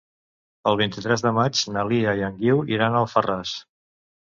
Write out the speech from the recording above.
El vint-i-tres de maig na Lia i en Guiu iran a Alfarràs.